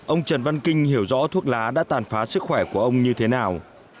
ông trần văn kinh hiểu rõ thuốc lá đã tàn phá sức khỏe của ông như thế nào